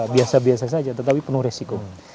biasa biasa saja tetapi penuh resiko